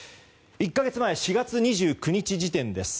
１か月前、４月２９日時点です。